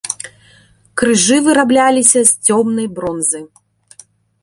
Крыжы вырабляліся з цёмнай бронзы.